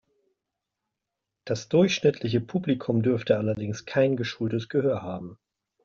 Das durchschnittliche Publikum dürfte allerdings kein geschultes Gehör haben.